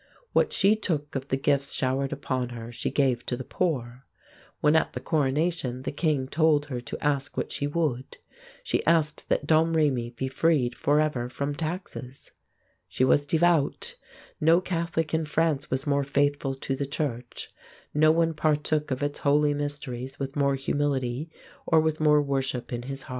What she took of the gifts showered upon her she gave to the poor. When at the coronation the king told her to ask what she would, she asked that Domrémy be freed forever from taxes. [Illustration: BLESSING THE STANDARD OF THE MAID After the painting by Michel] She was devout. No Catholic in France was more faithful to the church, no one partook of its holy mysteries with more humility or with more worship in his heart.